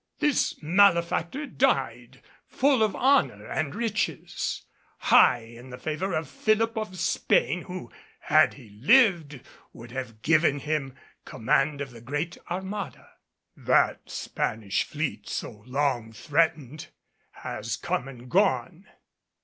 This malefactor died full of honor and riches, high in the favor of Philip of Spain, who, had he lived, would have given him command of the great Armada. That Spanish fleet, so long threatened, has come and gone.